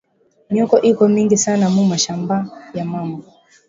Myoko iko mingi sana mu mashamba ya mama